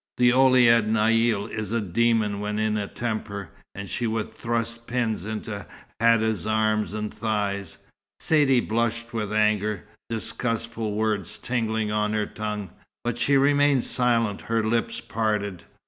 The Ouled Naïl is a demon when in a temper, and she would thrust pins into Hadda's arms and thighs." Saidee blushed with anger, disgustful words tingling on her tongue; but she remained silent, her lips parted.